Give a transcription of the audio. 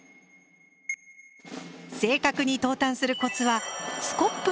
正確に投炭するコツはスコップの使い方。